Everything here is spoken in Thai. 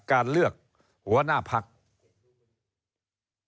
การเลือกหัวหน้าพัก